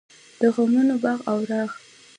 د غمونو باغ او راغ.